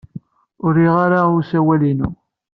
Ur rriɣ ara i usawal-inu.